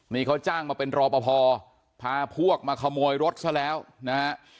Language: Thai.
นี่เขาจ้างมาเป็นรอปภพาพวกมาขโมยรถซะแล้วนะฮะ